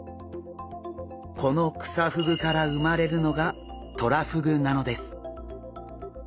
このクサフグから産まれるのがトラフグなのです。